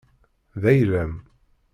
D ayla-m.